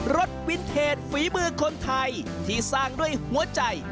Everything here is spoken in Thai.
รถวินเทจฝีมือคนไทยที่สร้างด้วยหัวใจ